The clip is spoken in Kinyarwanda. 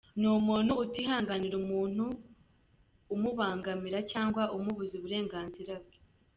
Ni umuntu utihanganira umuntu umubangamira cyangwa umubuza uburenganzira bwe.